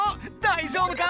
大丈夫か？